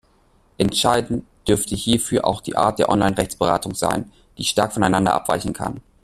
Entscheidend dürfte hierfür auch die Art der Online-Rechtsberatung sein, die stark voneinander abweichen kann.